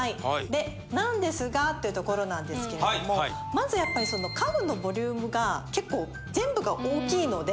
でなんですがというところなんですけれどもまずやっぱりその家具のボリュームが結構全部が大きいので。